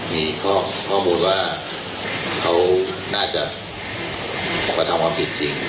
มีข้อมูลว่าเขาน่าจะกระทำความผิดจริง